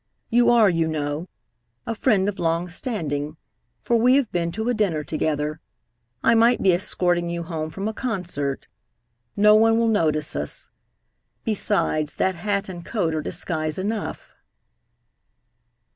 You are, you know, a friend of long standing, for we have been to a dinner together. I might be escorting you home from a concert. No one will notice us. Besides, that hat and coat are disguise enough."